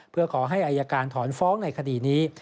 เพื่อขอให้อายการถอนฟ้องในคดีนี้